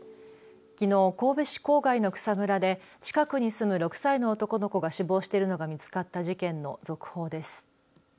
きのう神戸市郊外の草むらで近くに住む６歳の男の子が死亡しているのが見つかった事件の続報です。